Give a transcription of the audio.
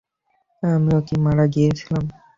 আমিও কি মারা গিয়েছিলাম?